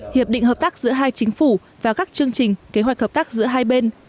hiệp định hợp tác giữa hai chính phủ và các chương trình kế hoạch hợp tác giữa hai bên